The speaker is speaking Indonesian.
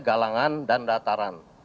galangan dan dataran